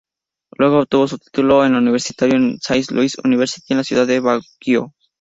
Luego obtuvo su título universitario en Saint Louis University en la ciudad de Baguio.